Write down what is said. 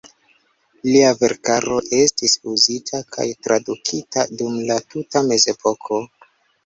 Lia verkaro estis uzita kaj tradukita dum la tuta Mezepoko.